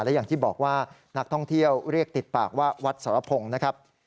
และอย่างที่บอกว่านักท่องเที่ยวเรียกติดปากว่าวัดสรพงศ์นะครับ